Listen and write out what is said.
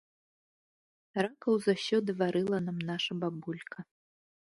Ракаў заўсёды варыла нам наша бабулька.